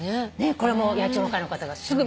これも野鳥の会の方がすぐ見つけて。